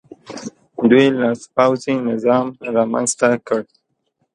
دوی لاسپوڅی نظام رامنځته کړ.